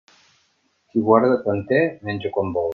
Qui guarda quan té, menja quan vol.